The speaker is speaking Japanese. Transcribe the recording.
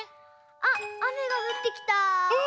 あっあめがふってきた。